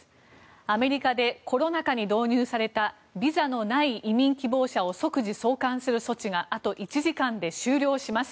アメリカでコロナ禍に導入されたビザのない移民希望者を即時送還する措置があと１時間で終了します。